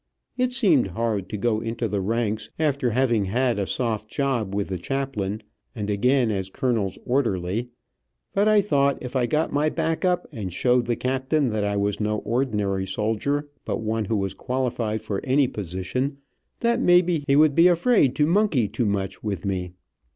It seemed hard to go into the ranks, after having had a soft job with the chaplain, and again as colonel's orderly, but I thought if I got my back up and showed the captain that I was no ordinary soldier, but one who was qualified for any position, that maybe he would be afraid to monkey too much with me.